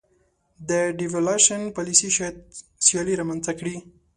د devaluation پالیسي شاید سیالي رامنځته کړي.